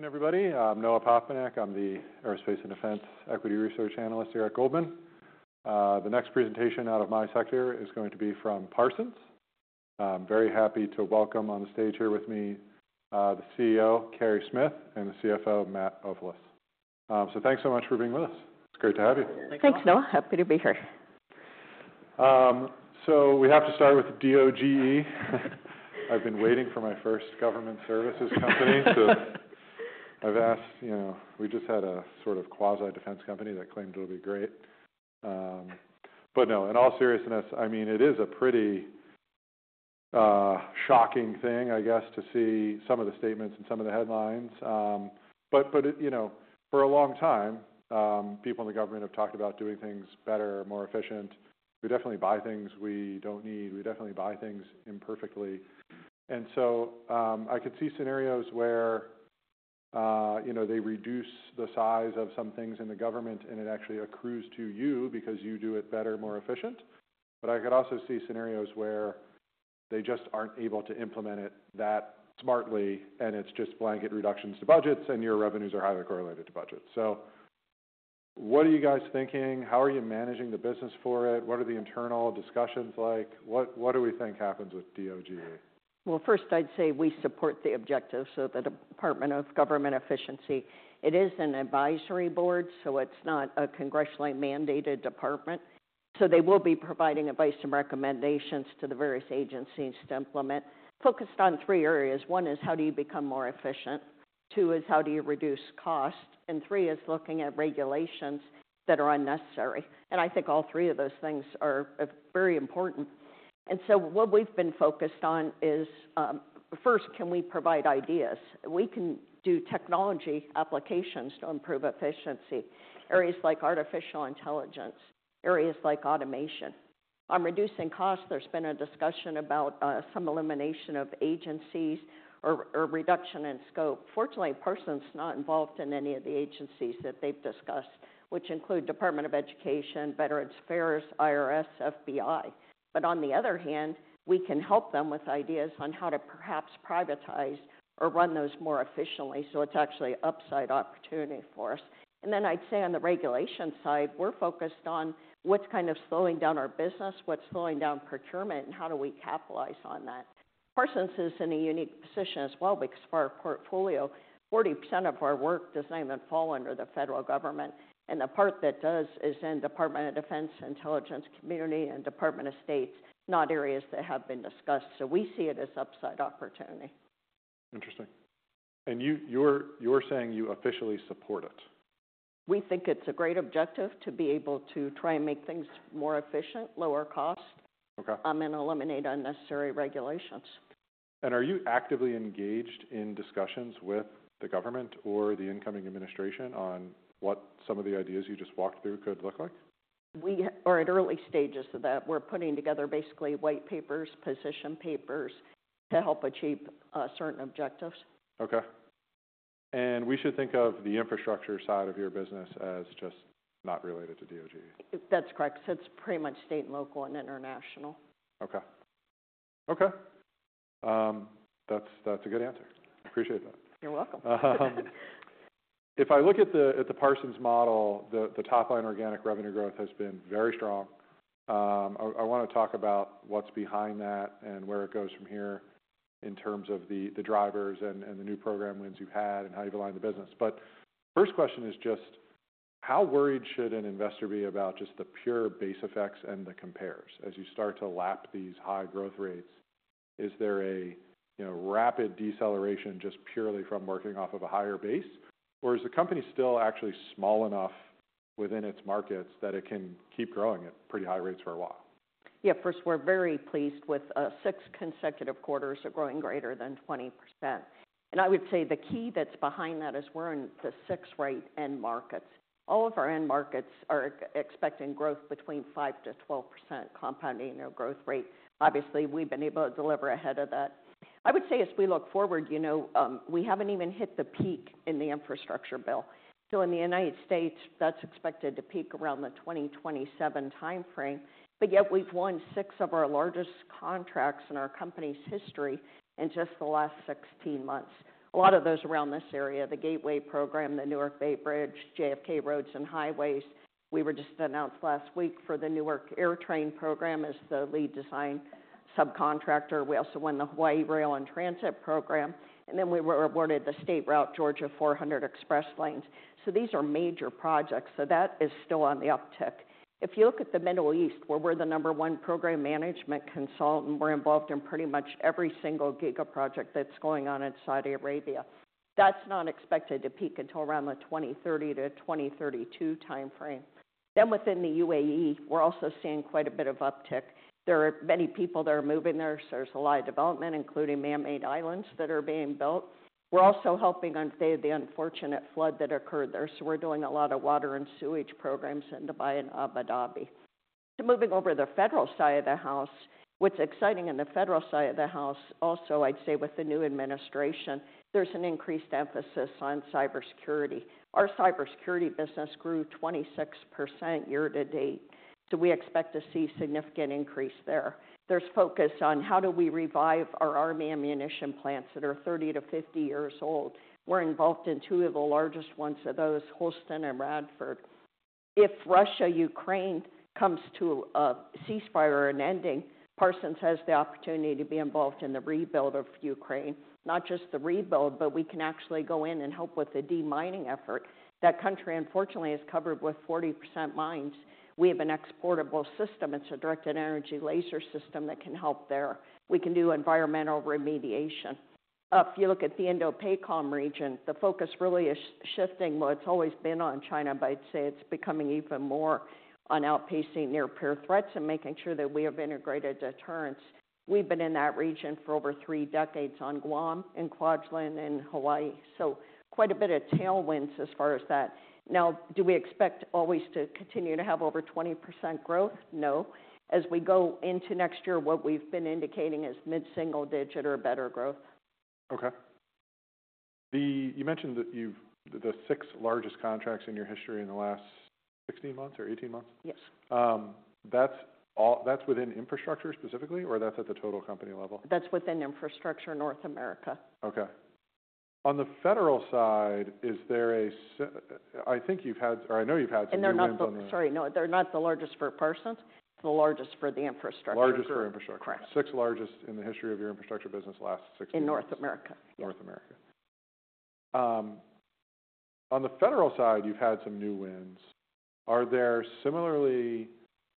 Good evening, everybody. I'm Noah Poponak. I'm the Aerospace and Defense Equity Research Analyst here at Goldman. The next presentation out of my sector is going to be from Parsons. I'm very happy to welcome on the stage here with me the CEO, Carey Smith, and the CFO, Matt Ofilos. So thanks so much for being with us. It's great to have you. Thanks, Noah. Happy to be here. So we have to start with DOGE. I've been waiting for my first government services company, so I've asked. We just had a sort of quasi-defense company that claimed it'll be great. But no, in all seriousness, I mean, it is a pretty shocking thing, I guess, to see some of the statements and some of the headlines. But for a long time, people in the government have talked about doing things better, more efficient. We definitely buy things we don't need. We definitely buy things imperfectly. And so I could see scenarios where they reduce the size of some things in the government, and it actually accrues to you because you do it better, more efficient. But I could also see scenarios where they just aren't able to implement it that smartly, and it's just blanket reductions to budgets, and your revenues are highly correlated to budgets. So what are you guys thinking? How are you managing the business for it? What are the internal discussions like? What do we think happens with DOGE? First, I'd say we support the objectives of the Department of Government Efficiency. It is an advisory board, so it's not a congressionally mandated department, so they will be providing advice and recommendations to the various agencies to implement, focused on three areas. One is, how do you become more efficient? Two is, how do you reduce costs? And three is looking at regulations that are unnecessary, and I think all three of those things are very important, and so what we've been focused on is, first, can we provide ideas? We can do technology applications to improve efficiency, areas like artificial intelligence, areas like automation. On reducing costs, there's been a discussion about some elimination of agencies or reduction in scope. Fortunately, Parsons is not involved in any of the agencies that they've discussed, which include Department of Education, Veterans Affairs, IRS, FBI. But on the other hand, we can help them with ideas on how to perhaps privatize or run those more efficiently. So it's actually an upside opportunity for us. And then I'd say on the regulation side, we're focused on what's kind of slowing down our business, what's slowing down procurement, and how do we capitalize on that? Parsons is in a unique position as well because for our portfolio, 40% of our work doesn't even fall under the federal government. And the part that does is in Department of Defense, Intelligence Community, and Department of State, not areas that have been discussed. So we see it as an upside opportunity. Interesting. And you're saying you officially support it? We think it's a great objective to be able to try and make things more efficient, lower cost, and eliminate unnecessary regulations. Are you actively engaged in discussions with the government or the incoming administration on what some of the ideas you just walked through could look like? We are at early stages of that. We're putting together basically white papers, position papers to help achieve certain objectives. Okay. And we should think of the infrastructure side of your business as just not related to DOGE? That's correct. So it's pretty much state and local and international. Okay. Okay. That's a good answer. I appreciate that. You're welcome. If I look at the Parsons model, the top-line organic revenue growth has been very strong. I want to talk about what's behind that and where it goes from here in terms of the drivers and the new program wins you've had and how you've aligned the business. But first question is just, how worried should an investor be about just the pure base effects and the compares? As you start to lap these high growth rates, is there a rapid deceleration just purely from working off of a higher base? Or is the company still actually small enough within its markets that it can keep growing at pretty high rates for a while? Yeah. First, we're very pleased with six consecutive quarters of growing greater than 20%. And I would say the key that's behind that is we're in the six right end markets. All of our end markets are expecting growth between 5%-12% compounding their growth rate. Obviously, we've been able to deliver ahead of that. I would say as we look forward, we haven't even hit the peak in the infrastructure bill. So in the United States, that's expected to peak around the 2027 timeframe. But yet, we've won six of our largest contracts in our company's history in just the last 16 months. A lot of those are around this area: the Gateway Program, the Newark Bay Bridge, JFK Roadway. We were just announced last week for the Newark AirTrain program as the lead design subcontractor. We also won the Hawaii Rail and Transit program. And then we were awarded the Georgia 400 Express Lanes. So these are major projects. So that is still on the uptick. If you look at the Middle East, where we're the number one program management consultant, we're involved in pretty much every single gigaproject that's going on in Saudi Arabia. That's not expected to peak until around the 2030-2032 timeframe. Then within the UAE, we're also seeing quite a bit of uptick. There are many people that are moving there. So there's a lot of development, including manmade islands that are being built. We're also helping on the unfortunate flood that occurred there. So we're doing a lot of water and sewage programs in Dubai and Abu Dhabi. So moving over to the federal side of the house, what's exciting in the federal side of the house, also, I'd say with the new administration, there's an increased emphasis on cybersecurity. Our cybersecurity business grew 26% year to date. So we expect to see a significant increase there. There's focus on how do we revive our army ammunition plants that are 30 to 50 years old. We're involved in two of the largest ones of those, Holston and Radford. If Russia-Ukraine comes to a ceasefire or an ending, Parsons has the opportunity to be involved in the rebuild of Ukraine. Not just the rebuild, but we can actually go in and help with the demining effort. That country, unfortunately, is covered with 40% mines. We have an exportable system. It's a directed-energy laser system that can help there. We can do environmental remediation. If you look at the Indo-Pacific region, the focus really is shifting what's always been on China, but I'd say it's becoming even more on outpacing near-peer threats and making sure that we have integrated deterrence. We've been in that region for over three decades on Guam and Kwajalein and Hawaii. So quite a bit of tailwinds as far as that. Now, do we expect always to continue to have over 20% growth? No. As we go into next year, what we've been indicating is mid-single-digit or better growth. Okay. You mentioned that you have the six largest contracts in your history in the last 16 months or 18 months? Yes. That's within infrastructure specifically, or that's at the total company level? That's within infrastructure in North America. Okay. On the federal side, I think you've had or I know you've had some new wins on there? Sorry. No, they're not the largest for Parsons. It's the largest for the infrastructure. Largest for infrastructure. Correct. Six largest in the history of your infrastructure business last 16 months. In North America. Yes. North America. On the federal side, you've had some new wins. Are there similarly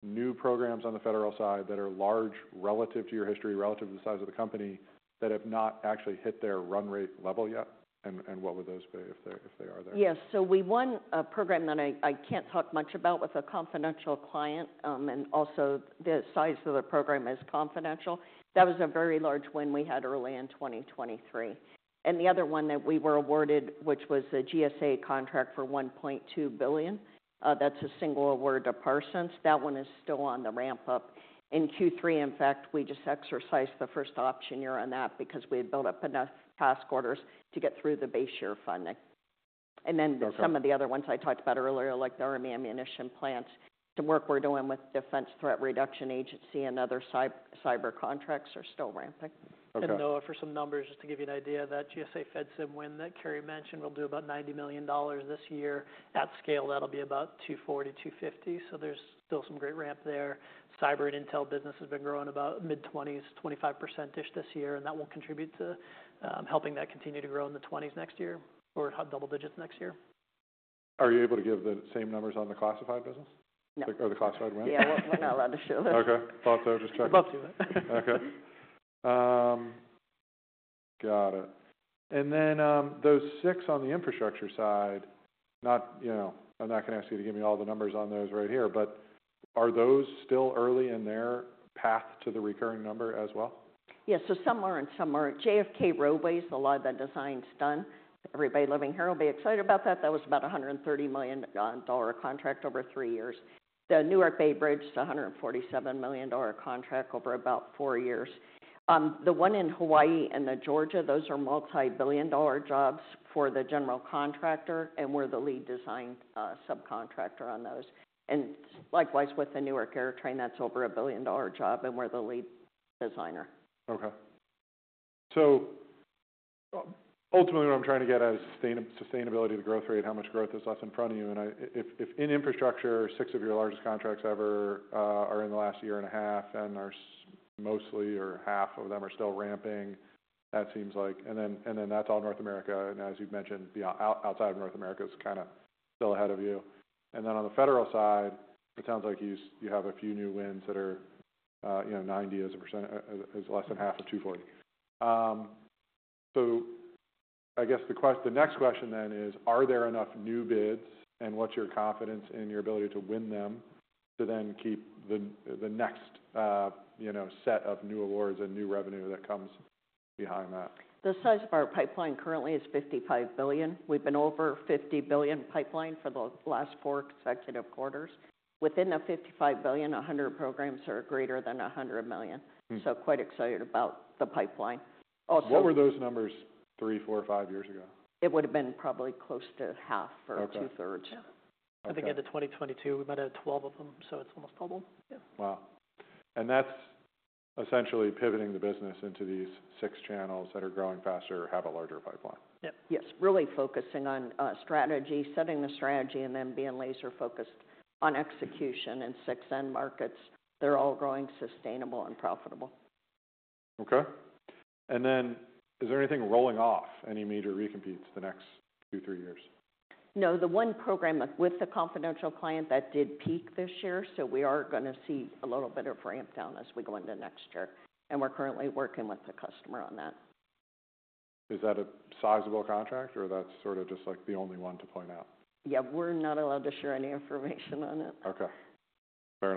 new programs on the federal side that are large relative to your history, relative to the size of the company, that have not actually hit their run rate level yet? And what would those be if they are there? Yes. So we won a program that I can't talk much about with a confidential client. And also, the size of the program is confidential. That was a very large win we had early in 2023. And the other one that we were awarded, which was a GSA contract for $1.2 billion, that's a single award to Parsons. That one is still on the ramp up. In Q3, in fact, we just exercised the first option year on that because we had built up enough task orders to get through the base year funding. And then some of the other ones I talked about earlier, like the army ammunition plants, the work we're doing with Defense Threat Reduction Agency and other cyber contracts are still ramping. Noah, for some numbers, just to give you an idea, that GSA FedSIM win that Carey mentioned will do about $90 million this year. At scale, that'll be about $240-$250 million. So there's still some great ramp there. Cyber and Intel business has been growing about mid-20s, 25%-ish this year. That will contribute to helping that continue to grow in the 20s next year or double digits next year. Are you able to give the same numbers on the classified business? No. Or the classified win? Yeah. We're not allowed to show those. Okay. Thought so. Just checking. We'll do that. Okay. Got it. And then those six on the infrastructure side, I'm not going to ask you to give me all the numbers on those right here, but are those still early in their path to the recurring number as well? Yes. So some are and some aren't. JFK Roadway is the last that design's done. Everybody living here will be excited about that. That was about a $130 million contract over three years. The Newark Bay Bridge is a $147 million contract over about four years. The one in Hawaii and the Georgia, those are multi-billion dollar jobs for the general contractor, and we're the lead design subcontractor on those. And likewise, with the Newark AirTrain, that's over a billion dollar job, and we're the lead designer. Okay, so ultimately, what I'm trying to get at is sustainability of the growth rate, how much growth is left in front of you, and if in infrastructure, six of your largest contracts ever are in the last year and a half and mostly or half of them are still ramping, that seems like, and then that's all North America. As you've mentioned, outside of North America is kind of still ahead of you, and then on the federal side, it sounds like you have a few new wins that are 90%, less than half of 240, so I guess the next question then is, are there enough new bids, and what's your confidence in your ability to win them to then keep the next set of new awards and new revenue that comes behind that? The size of our pipeline currently is $55 billion. We've been over $50 billion pipeline for the last four consecutive quarters. Within the $55 billion, 100 programs are greater than $100 million. So quite excited about the pipeline. Also. What were those numbers three, four, five years ago? It would have been probably close to half or two-thirds. I think at the 2022, we met at 12 of them. So it's almost double. Yeah. Wow. And that's essentially pivoting the business into these six channels that are growing faster or have a larger pipeline? Yep. Yes. Really focusing on strategy, setting the strategy, and then being laser-focused on execution in six end markets. They're all growing sustainable and profitable. Okay. And then is there anything rolling off, any major recompetes the next two, three years? No. The one program with the confidential client that did peak this year, so we are going to see a little bit of ramp down as we go into next year, and we're currently working with the customer on that. Is that a sizable contract, or that's sort of just like the only one to point out? Yeah. We're not allowed to share any information on it. Okay. Fair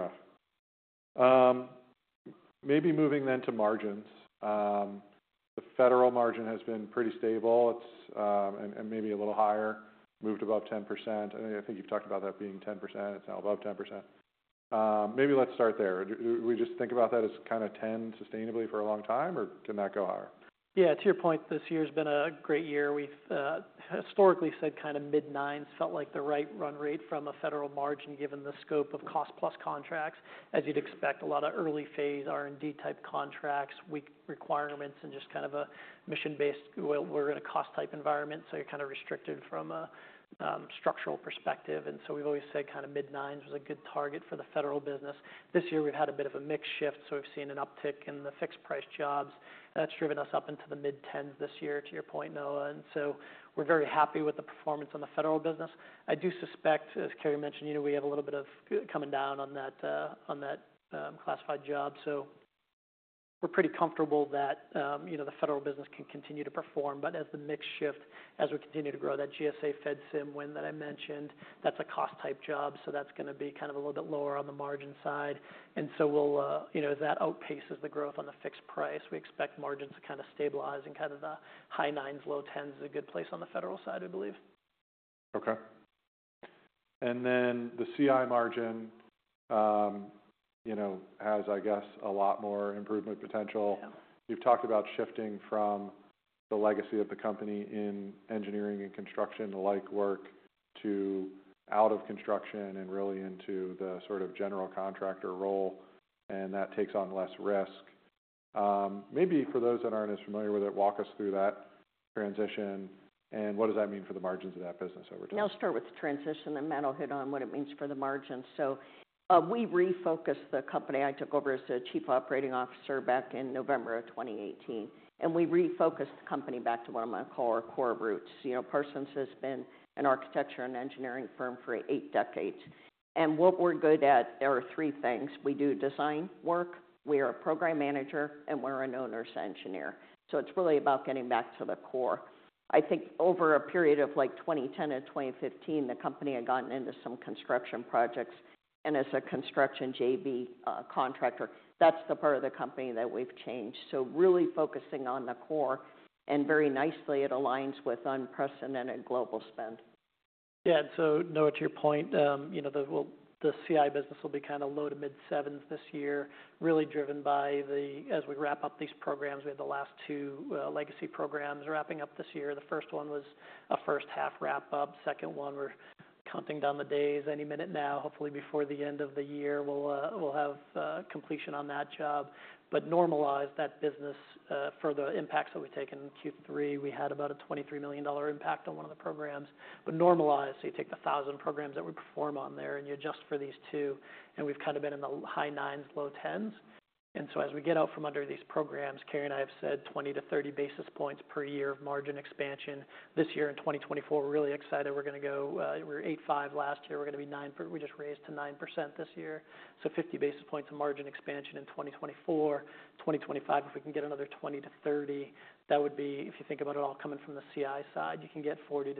enough. Maybe moving then to margins. The federal margin has been pretty stable and maybe a little higher, moved above 10%. I think you've talked about that being 10%. It's now above 10%. Maybe let's start there. Do we just think about that as kind of 10% sustainably for a long time, or can that go higher? Yeah. To your point, this year has been a great year. We've historically said kind of mid-9s felt like the right run rate from a federal margin given the scope of cost-plus contracts. As you'd expect, a lot of early-phase R&D-type contracts, weak requirements, and just kind of a mission-based, we're in a cost-type environment. So you're kind of restricted from a structural perspective, and so we've always said kind of mid-9s was a good target for the federal business. This year, we've had a bit of a mixed shift, so we've seen an uptick in the fixed-price jobs. That's driven us up into the mid-10s this year, to your point, Noah, and so we're very happy with the performance on the federal business. I do suspect, as Carey mentioned, we have a little bit of coming down on that classified job. So we're pretty comfortable that the federal business can continue to perform. But as the mix shift, as we continue to grow, that GSA FedSIM win that I mentioned, that's a cost-type job. So that's going to be kind of a little bit lower on the margin side. And so as that outpaces the growth on the fixed price, we expect margins to kind of stabilize and kind of the high 9s-low 10s is a good place on the federal side, we believe. Okay. And then the CI margin has, I guess, a lot more improvement potential. You've talked about shifting from the legacy of the company in engineering and construction and the like work to out of construction and really into the sort of general contractor role. And that takes on less risk. Maybe for those that aren't as familiar with it, walk us through that transition. And what does that mean for the margins of that business over time? I'll start with the transition and Matt will hit on what it means for the margins, so we refocused the company. I took over as a chief operating officer back in November of 2018, and we refocused the company back to one of my core roots. Parsons has been an architecture and engineering firm for eight decades, and what we're good at, there are three things. We do design work. We are a program manager, and we're an owner's engineer, so it's really about getting back to the core. I think over a period of like 2010 to 2015, the company had gotten into some construction projects, and as a construction JV contractor, that's the part of the company that we've changed, so really focusing on the core, and very nicely, it aligns with unprecedented global spend. Yeah. And so, Noah, to your point, the CI business will be kind of low to mid-7s this year, really driven by the, as we wrap up these programs, we have the last two legacy programs wrapping up this year. The first one was a first-half wrap-up. Second one, we're counting down the days any minute now. Hopefully, before the end of the year, we'll have completion on that job. But normalize that business for the impacts that we've taken in Q3. We had about a $23 million impact on one of the programs. But normalize, so you take the 1,000 programs that we perform on there, and you adjust for these two. And we've kind of been in the high 9s, low 10s. And so as we get out from under these programs, Carey and I have said 20 to 30 basis points per year of margin expansion. This year in 2024, we're really excited. We're going to go. We were 8.5 last year. We're going to be 9. We just raised to 9% this year. So 50 basis points of margin expansion in 2024. 2025, if we can get another 20-30, that would be if you think about it all coming from the CI side. You can get 40-60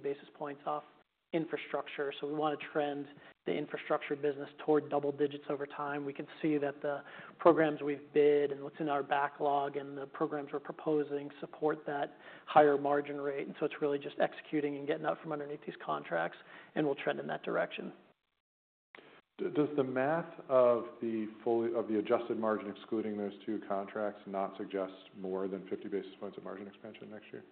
basis points off infrastructure. So we want to trend the infrastructure business toward double digits over time. We can see that the programs we've bid and what's in our backlog and the programs we're proposing support that higher margin rate. And so it's really just executing and getting out from underneath these contracts, and we'll trend in that direction. Does the math of the adjusted margin excluding those two contracts not suggest more than 50 basis points of margin expansion next year?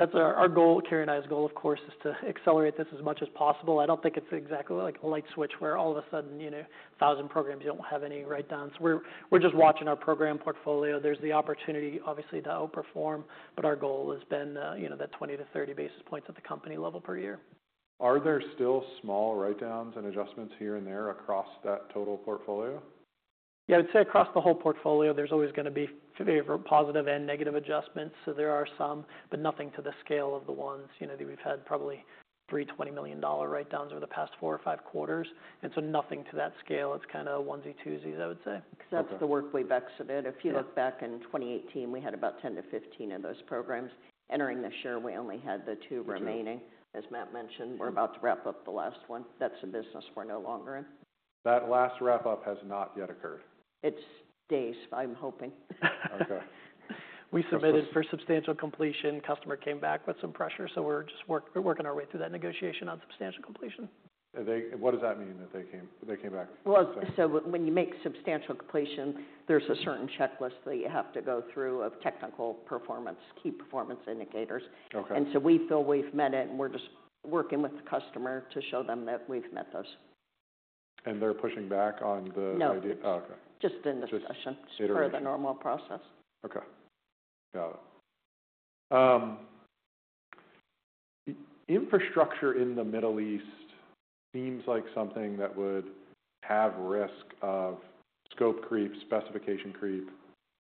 That's our goal. Carey and I's goal, of course, is to accelerate this as much as possible. I don't think it's exactly like a light switch where all of a sudden 1,000 programs you don't have any write-downs. We're just watching our program portfolio. There's the opportunity, obviously, to outperform. But our goal has been that 20-30 basis points at the company level per year. Are there still small write-downs and adjustments here and there across that total portfolio? Yeah. I would say across the whole portfolio, there's always going to be positive and negative adjustments. So there are some, but nothing to the scale of the ones that we've had probably three $20 million write-downs over the past four or five quarters. And so nothing to that scale. It's kind of onesies, twosies, I would say. Except the work we've exited. If you look back in 2018, we had about 10-15 of those programs. Entering this year, we only had the two remaining. As Matt mentioned, we're about to wrap up the last one. That's a business we're no longer in. That last wrap-up has not yet occurred? It's days, I'm hoping. Okay. We submitted for substantial completion. Customer came back with some pressure. So we're working our way through that negotiation on substantial completion. What does that mean that they came back? When you make substantial completion, there's a certain checklist that you have to go through of technical performance, key performance indicators. We feel we've met it, and we're just working with the customer to show them that we've met those. And they're pushing back on the idea? No. Just in the discussion. Just part of the normal process. Okay. Got it. Infrastructure in the Middle East seems like something that would have risk of scope creep, specification creep,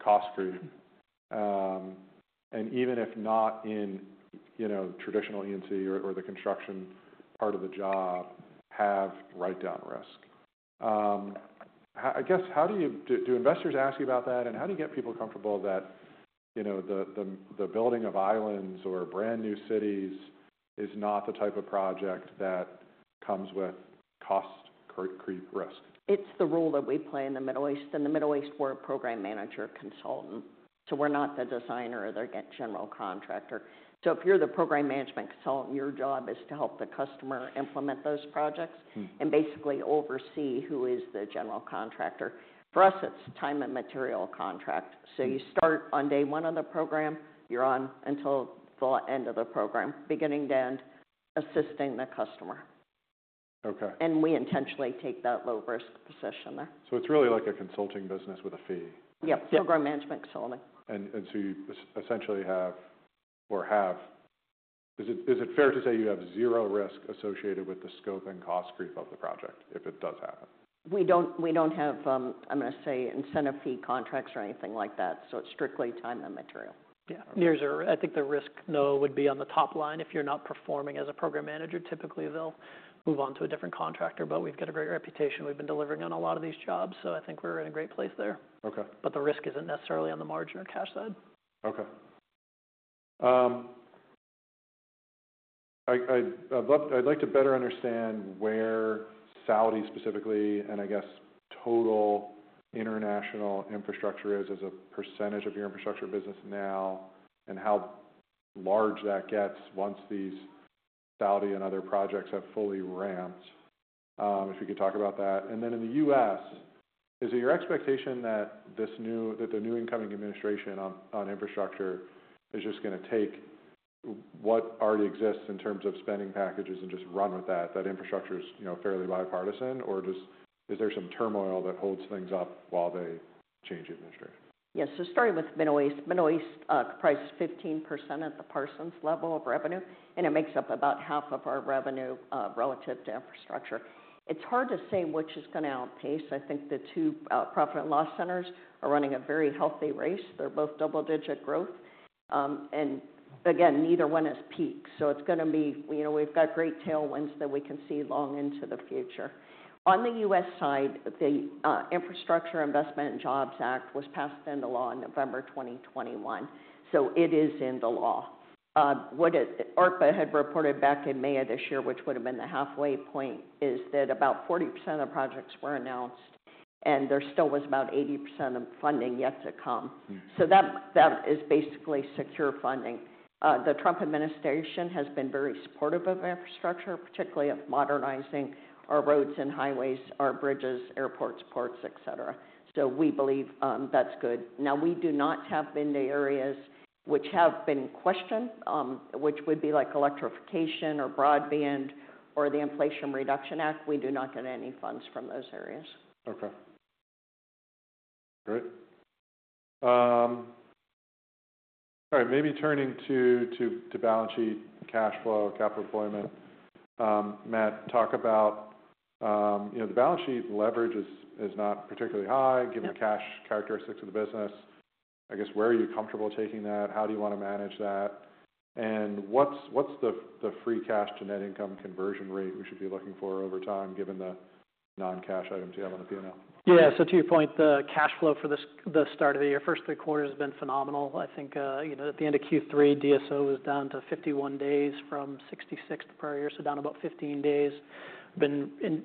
cost creep, and even if not in traditional E&C or the construction part of the job, have write-down risk. I guess, do investors ask you about that, and how do you get people comfortable that the building of islands or brand new cities is not the type of project that comes with cost creep risk? It's the role that we play in the Middle East. In the Middle East, we're a program management consultant. So we're not the designer or the general contractor. So if you're the program management consultant, your job is to help the customer implement those projects and basically oversee who is the general contractor. For us, it's time and material contract. So you start on day one of the program, you're on until the end of the program, beginning to end, assisting the customer. And we intentionally take that low-risk position there. So it's really like a consulting business with a fee? Yep. Program management consulting. And so you essentially have, or is it fair to say, you have zero risk associated with the scope and cost creep of the project if it does happen? We don't have, I'm going to say, incentive fee contracts or anything like that. So it's strictly time and material. Yeah. I think the risk would be on the top line. If you're not performing as a program manager, typically they'll move on to a different contractor. But we've got a great reputation. We've been delivering on a lot of these jobs. So I think we're in a great place there. But the risk isn't necessarily on the margin or cash side. Okay. I'd like to better understand where Saudi specifically and I guess total international infrastructure is as a percentage of your infrastructure business now and how large that gets once these Saudi and other projects have fully ramped, if we could talk about that. And then in the U.S., is it your expectation that the new incoming administration on infrastructure is just going to take what already exists in terms of spending packages and just run with that, that infrastructure is fairly bipartisan, or is there some turmoil that holds things up while they change administration? Yes, so starting with the Middle East, the Middle East comprises 15% of the Parsons level of revenue, and it makes up about half of our revenue relative to infrastructure. It's hard to say which is going to outpace. I think the two profit and loss centers are running a very healthy race. They're both double-digit growth, and again, neither one has peaked, so it's going to be we've got great tailwinds that we can see long into the future. On the U.S. side, the Infrastructure Investment and Jobs Act was passed into law in November 2021, so it is in the law. What ARTBA had reported back in May of this year, which would have been the halfway point, is that about 40% of the projects were announced, and there still was about 80% of funding yet to come, so that is basically secure funding. The Trump administration has been very supportive of infrastructure, particularly of modernizing our roads and highways, our bridges, airports, ports, etc. So we believe that's good. Now, we have not been to areas which have been questioned, which would be like electrification or broadband or the Inflation Reduction Act. We do not get any funds from those areas. Okay. Great. All right. Maybe turning to balance sheet, cash flow, capital deployment. Matt, talk about the balance sheet. Leverage is not particularly high given the cash characteristics of the business. I guess, where are you comfortable taking that? How do you want to manage that? And what's the free cash to net income conversion rate we should be looking for over time given the non-cash items you have on the P&L? Yeah. So to your point, the cash flow for the start of the year, first three quarters has been phenomenal. I think at the end of Q3, DSO was down to 51 days from 66 the prior year, so down about 15 days. As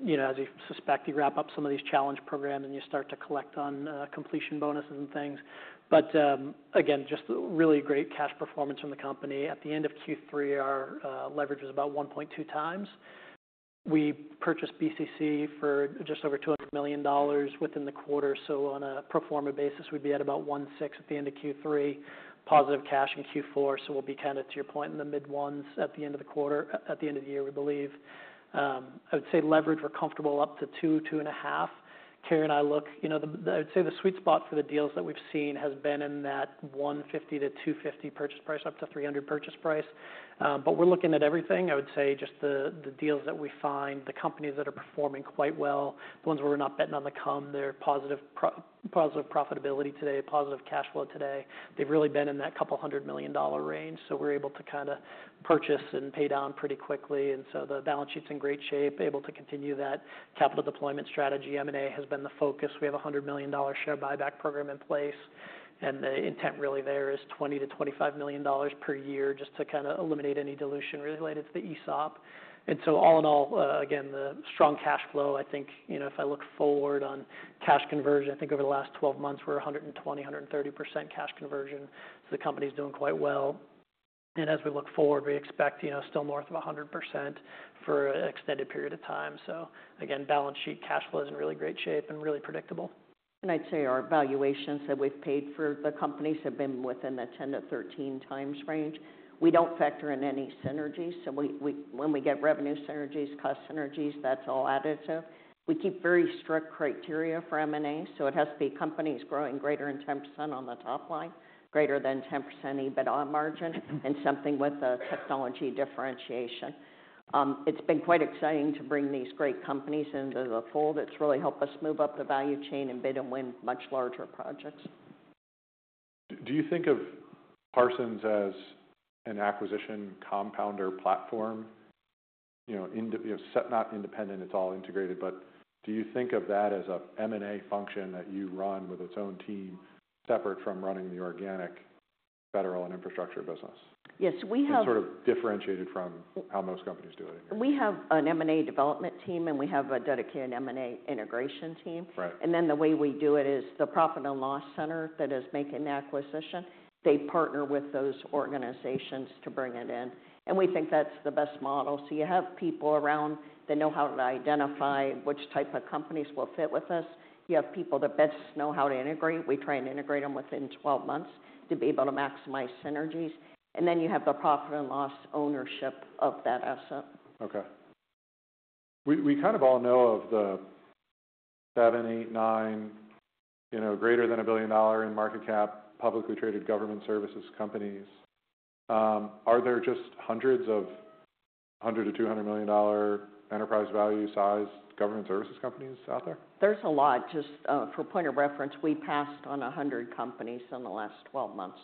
you suspect, you wrap up some of these challenge programs and you start to collect on completion bonuses and things. But again, just really great cash performance from the company. At the end of Q3, our leverage was about 1.2x. We purchased BCC for just over $200 million within the quarter. So on a pro forma basis, we'd be at about 1.6 at the end of Q3, positive cash in Q4. So we'll be kind of, to your point, in the mid-1s at the end of the quarter, at the end of the year, we believe. I would say leverage, we're comfortable up to 2-2.5. Carey and I look. I would say the sweet spot for the deals that we've seen has been in that $150 million-$250 million purchase price up to $300 million purchase price. We're looking at everything. I would say just the deals that we find, the companies that are performing quite well, the ones where we're not betting on the come, they're positive profitability today, positive cash flow today. They've really been in that couple hundred million dollar range. We're able to kind of purchase and pay down pretty quickly. The balance sheet's in great shape, able to continue that capital deployment strategy. M&A has been the focus. We have a $100 million share buyback program in place. The intent really there is $20 million-$25 million per year just to kind of eliminate any dilution related to the ESOP. And so all in all, again, the strong cash flow. I think if I look forward on cash conversion, I think over the last 12 months, we're 120%-130% cash conversion. So the company's doing quite well. And as we look forward, we expect still north of 100% for an extended period of time. So again, balance sheet cash flow is in really great shape and really predictable. And I'd say our valuations that we've paid for the companies have been within the 10-13x range. We don't factor in any synergies. So when we get revenue synergies, cost synergies, that's all additive. We keep very strict criteria for M&A. So it has to be companies growing greater than 10% on the top line, greater than 10% EBITDA margin, and something with a technology differentiation. It's been quite exciting to bring these great companies into the fold. It's really helped us move up the value chain and bid and win much larger projects. Do you think of Parsons as an acquisition compounder platform? Not independent, it's all integrated. But do you think of that as a M&A function that you run with its own team separate from running the organic federal and infrastructure business? Yes. We have. It's sort of differentiated from how most companies do it. We have an M&A development team, and we have a dedicated M&A integration team, and then the way we do it is the profit and loss center that is making the acquisition, they partner with those organizations to bring it in, and we think that's the best model, so you have people around that know how to identify which type of companies will fit with us. You have people that best know how to integrate. We try and integrate them within 12 months to be able to maximize synergies, and then you have the profit and loss ownership of that asset. Okay. We kind of all know of the seven, eight, nine, greater than a $1 billion market cap publicly traded government services companies. Are there just hundreds of $100 million-$200 million-dollar enterprise value sized government services companies out there? There's a lot. Just for point of reference, we passed on 100 companies in the last 12 months.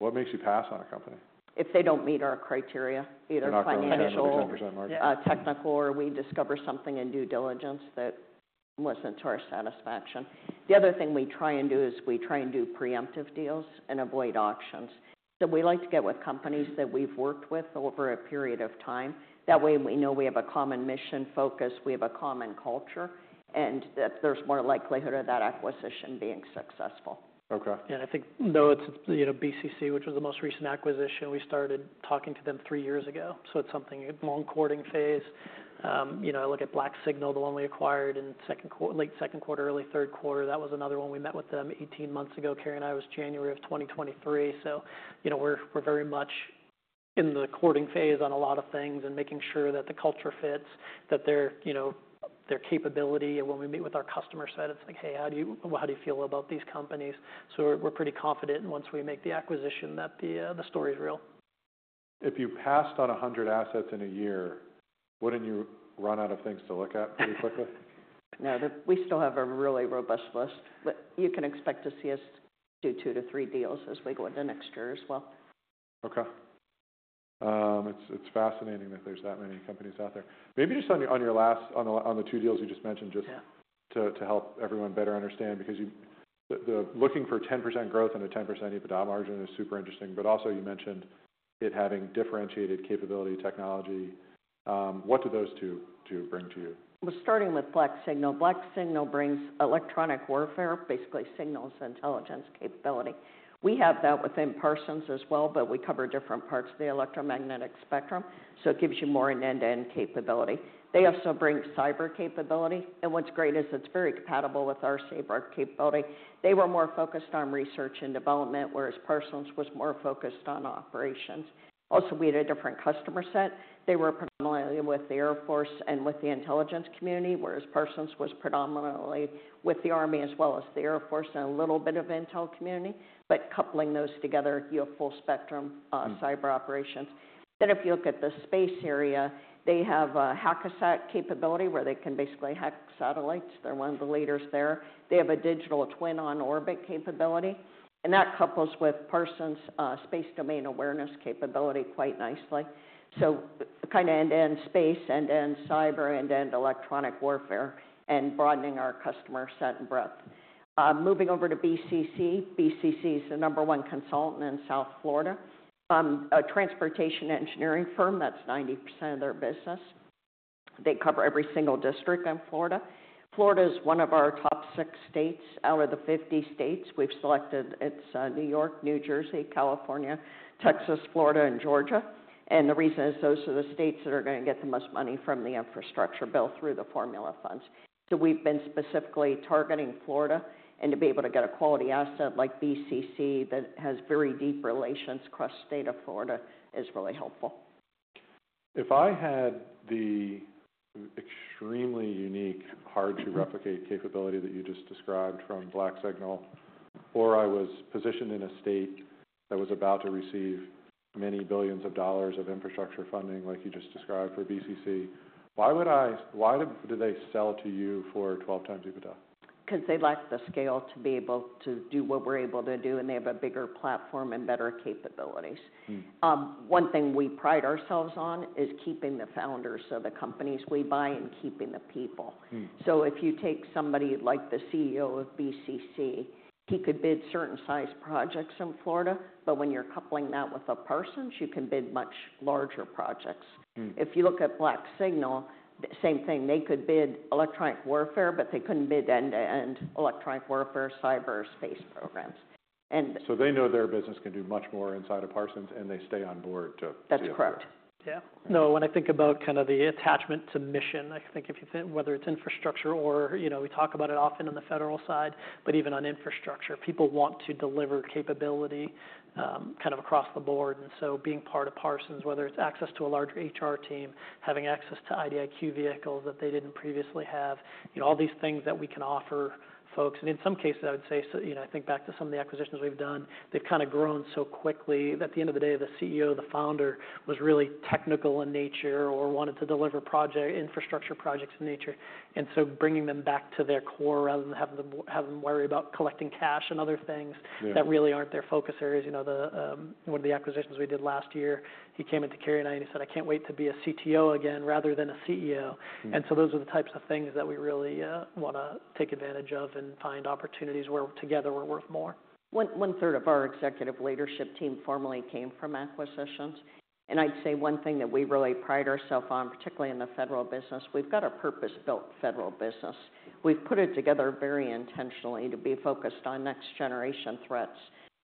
Wow. What makes you pass on a company? If they don't meet our criteria, either financial. Not quite 100%-100% market. Technical, or we discover something in due diligence that wasn't to our satisfaction. The other thing we try and do is we try and do preemptive deals and avoid auctions, so we like to get with companies that we've worked with over a period of time. That way, we know we have a common mission focus. We have a common culture, and there's more likelihood of that acquisition being successful. Yeah. I think, no, it's BCC, which was the most recent acquisition. We started talking to them three years ago. So it's something in a long courting phase. I look at BlackSignal, the one we acquired in late second quarter, early third quarter. That was another one we met with them 18 months ago. Carey and I was January of 2023. So we're very much in the courting phase on a lot of things and making sure that the culture fits, that their capability. And when we meet with our customer side, it's like, "Hey, how do you feel about these companies?" So we're pretty confident once we make the acquisition that the story is real. If you passed on 100 assets in a year, wouldn't you run out of things to look at pretty quickly? No. We still have a really robust list. But you can expect to see us do two to three deals as we go into next year as well. Okay. It's fascinating that there's that many companies out there. Maybe just on the two deals you just mentioned, just to help everyone better understand, because looking for 10% growth and a 10% EBITDA margin is super interesting. But also you mentioned it having differentiated capability technology. What do those two bring to you? We're starting with BlackSignal. BlackSignal brings electronic warfare, basically signals intelligence capability. We have that within Parsons as well, but we cover different parts of the electromagnetic spectrum, so it gives you more in end-to-end capability. They also bring cyber capability, and what's great is it's very compatible with our SABER capability. They were more focused on research and development, whereas Parsons was more focused on operations. Also, we had a different customer set. They were predominantly with the Air Force and with the intelligence community, whereas Parsons was predominantly with the Army as well as the Air Force and a little bit of intelligence community. But coupling those together, you have full spectrum cyber operations, then if you look at the space area, they have a Hack--Sat capability where they can basically hack satellites. They're one of the leaders there. They have a digital twin on orbit capability. And that couples with Parsons space domain awareness capability quite nicely. So kind of end-to-end space, end-to-end cyber, end-to-end electronic warfare, and broadening our customer set and breadth. Moving over to BCC. BCC is the number one consultant in South Florida, a transportation engineering firm that's 90% of their business. They cover every single district in Florida. Florida is one of our top six states out of the 50 states. We've selected New York, New Jersey, California, Texas, Florida, and Georgia. And the reason is those are the states that are going to get the most money from the infrastructure bill through the formula funds. So we've been specifically targeting Florida. And to be able to get a quality asset like BCC that has very deep relations across the state of Florida is really helpful. If I had the extremely unique, hard-to-replicate capability that you just described from BlackSignal, or I was positioned in a state that was about to receive many billions of dollars of infrastructure funding like you just described for BCC, why would they sell to you for 12 times EBITDA? Because they lack the scale to be able to do what we're able to do, and they have a bigger platform and better capabilities. One thing we pride ourselves on is keeping the founders of the companies we buy and keeping the people. So if you take somebody like the CEO of BCC, he could bid certain size projects in Florida. But when you're coupling that with Parsons, you can bid much larger projects. If you look at BlackSignal, same thing. They could bid electronic warfare, but they couldn't bid end-to-end electronic warfare, cyberspace programs. And. So they know their business can do much more inside of Parsons, and they stay on board to do that. That's correct. Yeah. No, when I think about kind of the attachment to mission, I think if you think whether it's infrastructure or we talk about it often on the federal side, but even on infrastructure, people want to deliver capability kind of across the board. And so being part of Parsons, whether it's access to a larger HR team, having access to IDIQ vehicles that they didn't previously have, all these things that we can offer folks. And in some cases, I would say, I think back to some of the acquisitions we've done, they've kind of grown so quickly that at the end of the day, the CEO, the founder was really technical in nature or wanted to deliver infrastructure projects in nature. And so bringing them back to their core rather than have them worry about collecting cash and other things that really aren't their focus areas. One of the acquisitions we did last year, he came into Carey and I and he said, "I can't wait to be a CTO again rather than a CEO." And so those are the types of things that we really want to take advantage of and find opportunities where together we're worth more. One third of our executive leadership team formerly came from acquisitions, and I'd say one thing that we really pride ourselves on, particularly in the federal business. We've got a purpose-built federal business. We've put it together very intentionally to be focused on next-generation threats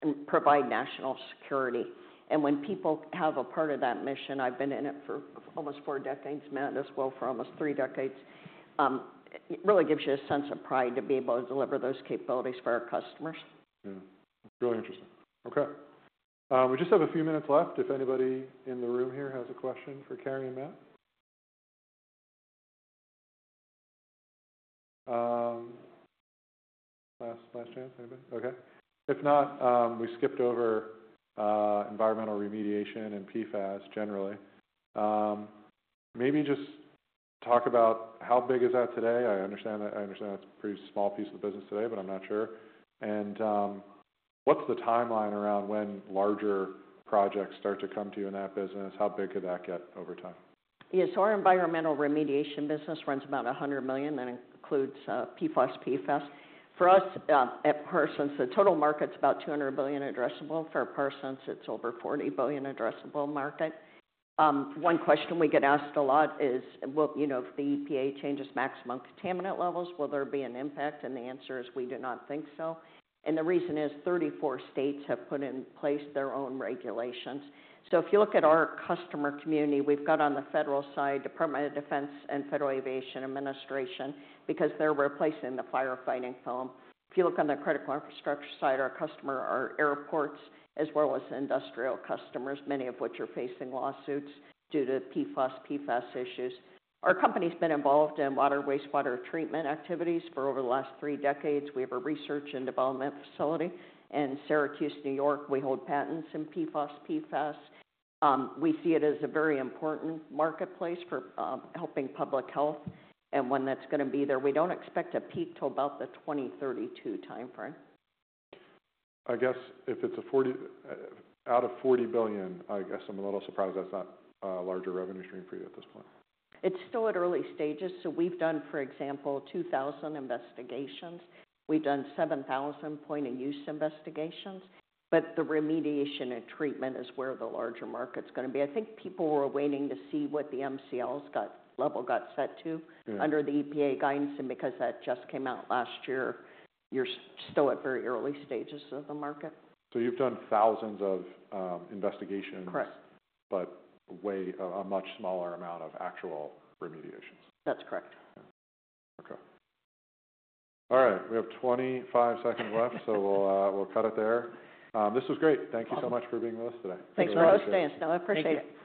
and provide national security, and when people have a part of that mission, I've been in it for almost four decades, Matt, as well for almost three decades. It really gives you a sense of pride to be able to deliver those capabilities for our customers. Yeah. Really interesting. Okay. We just have a few minutes left. If anybody in the room here has a question for Carey and Matt? Last chance, anybody? Okay. If not, we skipped over environmental remediation and PFAS generally. Maybe just talk about how big is that today? I understand that's a pretty small piece of the business today, but I'm not sure. And what's the timeline around when larger projects start to come to you in that business? How big could that get over time? Yes. Our environmental remediation business runs about $100 million. That includes PFAS, PFAS. For us at Parsons, the total market's about $200 billion addressable. For Parsons, it's over $40 billion addressable market. One question we get asked a lot is, "Well, if the EPA changes maximum contaminant levels, will there be an impact?" And the answer is, "We do not think so." And the reason is 34 states have put in place their own regulations. So if you look at our customer community, we've got on the federal side, Department of Defense and Federal Aviation Administration, because they're replacing the firefighting foam. If you look on the critical infrastructure side, our customer are airports as well as industrial customers, many of which are facing lawsuits due to PFAS, PFAS issues. Our company's been involved in water, wastewater treatment activities for over the last three decades. We have a research and development facility in Syracuse, New York. We hold patents in PFAS, PFAS. We see it as a very important marketplace for helping public health and one that's going to be there. We don't expect a peak till about the 2032 timeframe. I guess if it's out of 40 billion, I guess I'm a little surprised that's not a larger revenue stream for you at this point. It's still at early stages. So we've done, for example, 2,000 investigations. We've done 7,000 point-of-use investigations. But the remediation and treatment is where the larger market's going to be. I think people were waiting to see what the MCLs level got set to under the EPA guidance. And because that just came out last year, you're still at very early stages of the market. You've done thousands of investigations. Correct. But a much smaller amount of actual remediations. That's correct. Okay. All right. We have 25 seconds left, so we'll cut it there. This was great. Thank you so much for being with us today. Thanks for hosting us. No, I appreciate it.